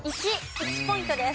１ポイントです。